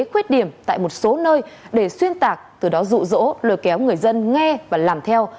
khuyết điểm tại một số nơi để xuyên tạc từ đó rụ rỗ lôi kéo người dân nghe và làm theo